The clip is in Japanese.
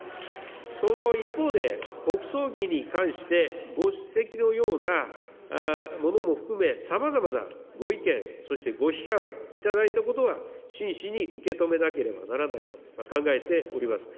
その一方で、国葬儀に関してご指摘のようなものも含め、さまざまなご意見、そしてご批判いただいたことは、真摯に受け止めなければならないと考えております。